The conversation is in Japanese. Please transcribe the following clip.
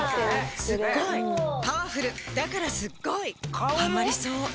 すっごいパワフルだからすっごいハマりそう